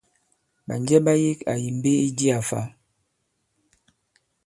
Ɓànjɛ ɓa yek àyì mbe i jiā fa?